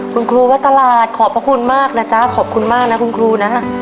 คุณครูวัดตลาดขอบพระคุณมากนะจ๊ะขอบคุณมากนะคุณครูนะ